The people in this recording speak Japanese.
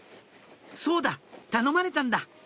「そうだ頼まれたんだ！」